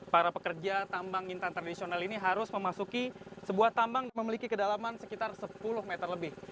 para pekerja tambang intan tradisional ini harus memasuki sebuah tambang yang memiliki kedalaman sekitar sepuluh meter lebih